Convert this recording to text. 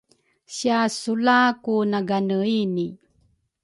sia Sula ku nagane ini